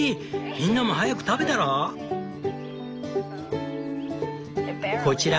みんなも早く食べたら？」。